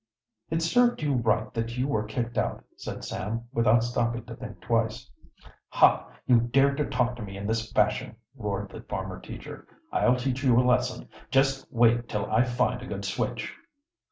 "It served you right that you were kicked out," said Sam, without stopping to think twice. "Ha! you dare to talk to me in this fashion!" roared the former teacher. "I'll teach you a lesson! Just wait till I find a good switch!"